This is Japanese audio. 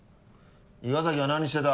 伊賀崎は何してた？